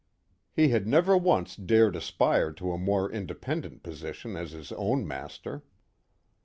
He had never once dared aspire to a more independent position as his own master.